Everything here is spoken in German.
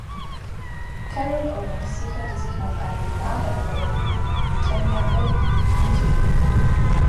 Carol Owens sicherte sich nach einem Finalerfolg gegen Tania Bailey den Titelgewinn.